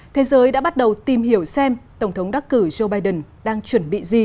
thế giới đã bắt đầu tìm hiểu xem tổng thống đắc cử joe biden đang chuẩn bị gì